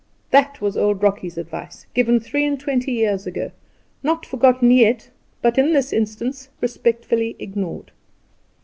That was Old Rocky's advice, given three and twenty years ago not forgotten yet, but, in this instance, respectfully ignored.